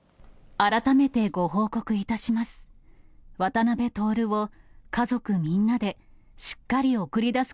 改めてご報告いたします。